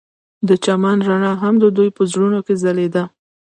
د چمن رڼا هم د دوی په زړونو کې ځلېده.